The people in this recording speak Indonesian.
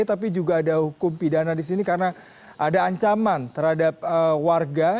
tapi juga ada hukum pidana di sini karena ada ancaman terhadap warga